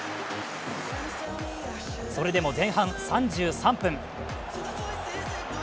それでも前半３３分。